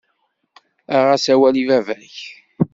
Aɣ-as awal i baba-k.